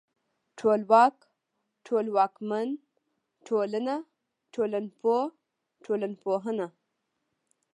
ټولواک ، ټولواکمن، ټولنه، ټولنپوه، ټولنپوهنه